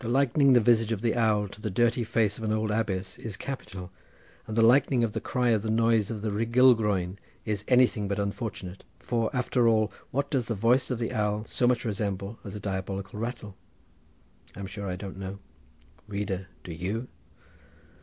The likening the visage of the owl to the dirty face of an old abbess is capital, and the likening the cry to the noise of the Rhugylgroen is anything but unfortunate. For, after all, what does the voice of the owl so much resemble as a diabolical rattle! I'm sure I don't know. Reader, do you?